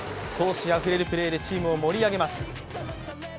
闘志あふれるプレーでチームを盛り上げます。